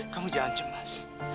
kamu jangan cemas